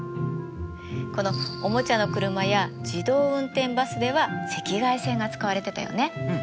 このおもちゃの車や自動運転バスでは赤外線が使われてたよね。